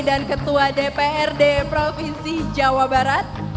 dan ketua dprd provinsi jawa barat